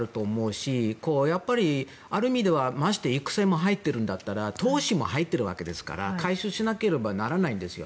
ある意味ではまして育成も入ってるんだったら投資も入っているわけですから回収しなければならないんですよ。